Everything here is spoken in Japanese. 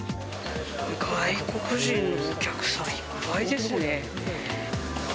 外国人のお客さん、いっぱいですね。